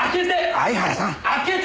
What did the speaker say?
相原さん。